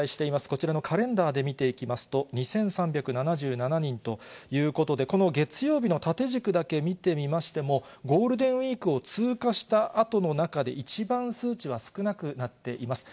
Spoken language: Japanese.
こちらのカレンダーで見ていきますと、２３７７人ということで、この月曜日の縦軸だけ見てみましても、ゴールデンウィークを通過したあとの中で一番数値は少なくなっています。